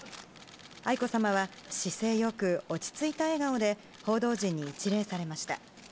愛子さまは姿勢良く、落ち着いた笑顔で報道陣に一礼されました。